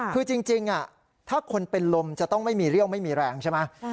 คือจริงถ้าคนเป็นลมจะต้องไม่มีเรี่ยวไม่มีแรงใช่ไหม